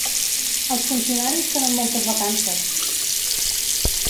Els funcionaris tenen moltes vacances.